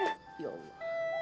tunggu sebentar pak ustadz